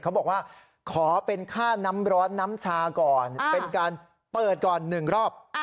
เขาบอกว่าขอเป็นค่าน้ำร้อนน้ำชาก่อนเป็นการเปิดก่อน๑รอบ